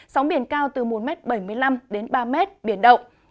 sóng biển cao từ một m bảy mươi năm đến ba m biển động